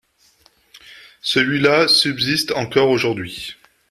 Celui-là subsiste encore aujourd’hui.